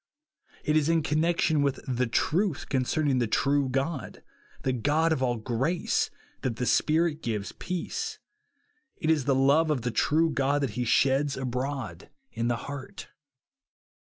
It is in connection with the truth concerning the true God, " the God of all grace," that the Spirit gives peace. It is the love of the true God that he sheds abroad in the heart.